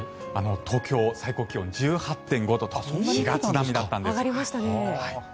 東京、最高気温１８．５度と４月並みだったんです。